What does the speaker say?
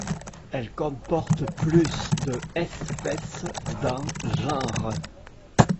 Elle comporte plus de espèces dans genres.